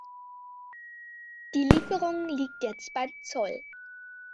Die Lieferung liegt jetzt beim Zoll.